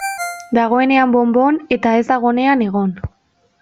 Dagoenean bon-bon, eta ez dagoenean egon.